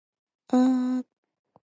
あー。